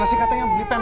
oh kepada di depan